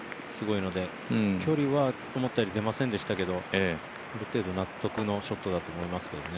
雨がすごいので距離は思ったより出ませんでしたけどある程度納得のショットだと思いますね。